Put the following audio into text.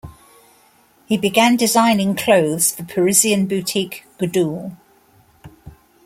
He began designing clothes for Parisian boutique, Gudule.